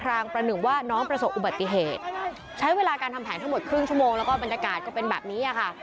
รางประหนึ่งว่าน้องประสบอุบัติเหตุใช้เวลาการทำแผนทั้งหมดครึ่งชั่วโมงแล้วก็บรรยากาศก็เป็นแบบนี้ค่ะ